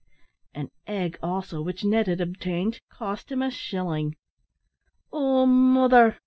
An egg, also, which Ned had obtained, cost him a shilling. "Oh, morther!"